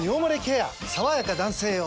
さわやか男性用」